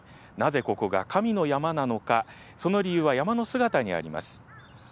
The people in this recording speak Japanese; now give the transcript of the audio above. なぜここが神の山なのか、その理由は山の姿にあります。